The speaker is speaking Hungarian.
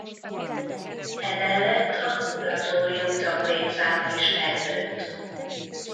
E mellett a kuratórium taglétszáma is megnőtt.